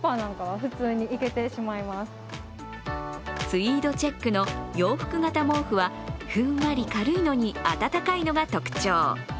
ツイードチェックの洋服型毛布はふんわり軽いのに暖かいのが特徴。